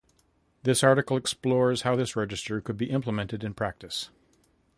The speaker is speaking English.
This article explores how this register could be implemented in practice.